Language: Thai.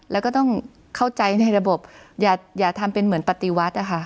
แล้วก็ต้องเข้าใจในระบบอย่าทำเป็นเหมือนปฏิวัตินะคะ